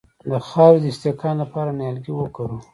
د خاورې د استحکام لپاره نیالګي وکرو.